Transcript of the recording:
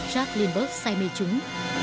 jack lindbergh say mê chúng